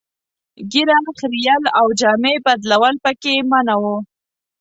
ږیره خرییل او جامې بدلول پکې منع وو.